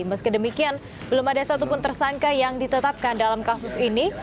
meski demikian belum ada satupun tersangka yang ditetapkan dalam kasus ini